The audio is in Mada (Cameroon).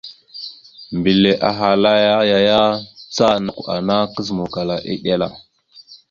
Mbile ahala aya ya, ca nakw ana kazǝmawkala eɗel a.